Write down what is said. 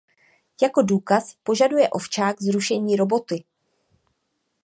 Jako důkaz požaduje ovčák zrušení roboty.